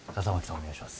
お願いします。